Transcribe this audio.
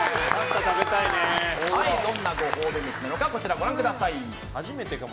どんなご褒美飯なのかご覧ください。